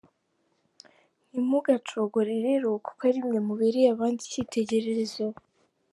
Ntimugacogore rero kuko arimwe mubereye abandi ikitegererezo.